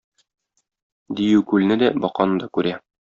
Дию күлне дә, баканы да күрә.